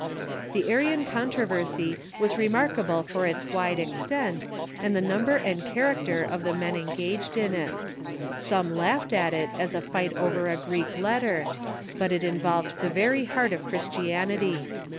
The Arian controversy was remarkable for its wide extent, and the number and character of the men engaged in it. Some laughed at it as a fight over a Greek letter, but it in volved the very heart of Christianity.